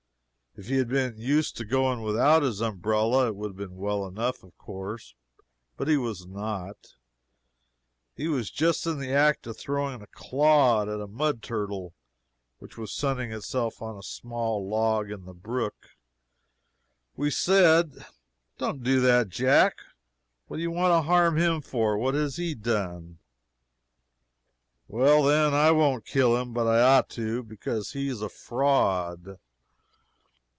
If he had been used to going without his umbrella, it would have been well enough, of course; but he was not. He was just in the act of throwing a clod at a mud turtle which was sunning itself on a small log in the brook. We said: "Don't do that, Jack. What do you want to harm him for? What has he done?" "Well, then, I won't kill him, but I ought to, because he is a fraud."